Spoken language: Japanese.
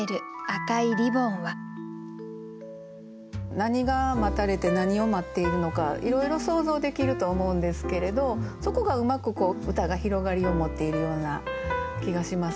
何が待たれて何を待っているのかいろいろ想像できると思うんですけれどそこがうまく歌が広がりを持っているような気がします。